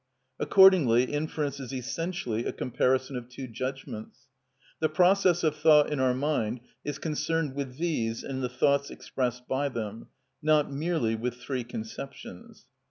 Accordingly inference is essentially a comparison of two judgments. The process of thought in our mind is concerned with these and the thoughts expressed by them, not merely with three conceptions.